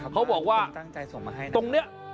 เขาบอกว่าตรงเนี่ย